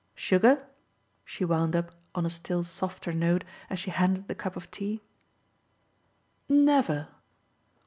Sugar?" she wound up on a still softer note as she handed the cup of tea. "Never!